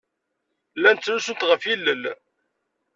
Llant ttrusunt ɣef yilel.